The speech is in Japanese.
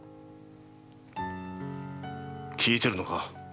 聞いてるのか？